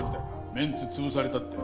メンツ潰されたって。